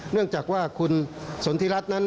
เนื่องจากว่าคุณสนทิรัฐนั้น